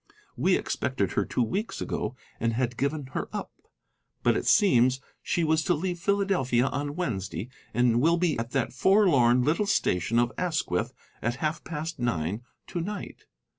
We expected her two weeks ago, and had given her up. But it seems she was to leave Philadelphia on Wednesday, and will be at that forlorn little station of Asquith at half past nine to night.